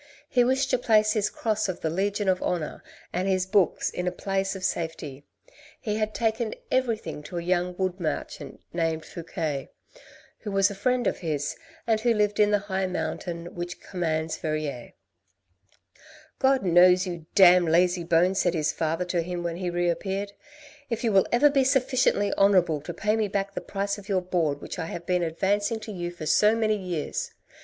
He wished to place his Cross of the Legion of Honour and his books in a place of safety. He had taken everything to a young wood merchant A NEGOTIATION 23 named Fouque, who was a friend of his, and who lived in the high mountain which commands Verrieres. " God knows, you damned lazy bones," said his father to him when he re appeared, "if you will ever be sufficiently honourable to pay me back the price of your board which I have been advancing to you for so many years.